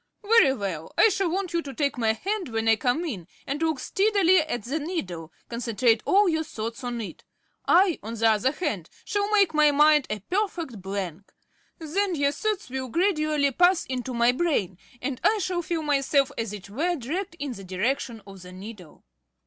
"Very well. I shall want you to take my hand when I come in, and look steadily at the needle concentrate all your thoughts on it. I, on the other hand, shall make my mind a perfect blank. Then your thoughts will gradually pass into my brain, and I shall feel myself as it were, dragged in the direction of the needle."